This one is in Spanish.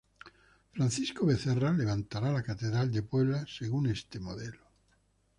Francisco Becerra levantará la catedral de Puebla según este modelo.